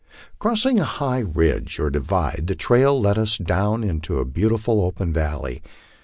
Crossing a high ridge, or divide, the trail led us down into a beautiful open valley.